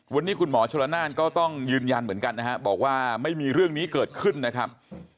วันนี้คุณหมอชลนานก็ต้องยืนยันเหมือนกันนะฮะบอกว่าไม่มีเรื่องนี้เกิดขึ้นนะครับ